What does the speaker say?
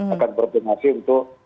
akan berkoordinasi untuk